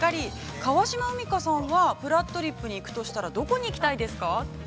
川島海荷さんは、「ぷらっとりっぷ」に行くとしたら、どこに行きたいですか。